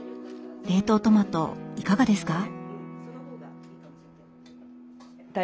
冷凍トマトいかがですか？